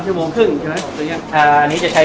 สวัสดีครับ